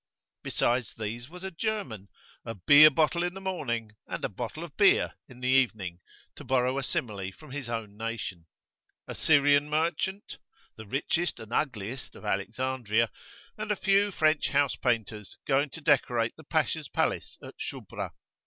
Besides these was a German, a "beer bottle in the morning and a bottle of beer in the evening," to borrow a simile from his own nation; a Syrian merchant, the richest and ugliest of Alexandria; and a few French house painters going to decorate the Pasha's palace at Shubra.